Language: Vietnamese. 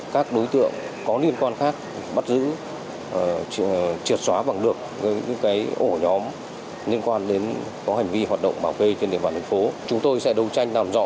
các đối tượng khai nhận sau khi nhận được điện thoại của hương